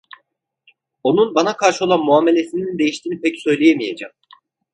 Onun bana karşı olan muamelesinin değiştiğini pek söyleyemeyeceğim.